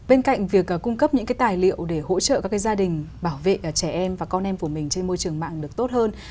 bên cạnh việc cung cấp những cái tài liệu để hỗ trợ các cái gia đình bảo vệ trẻ em và con em của mình trên môi trường mạng được tốt hơn